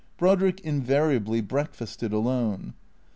Brodrick invariably breakfasted alone.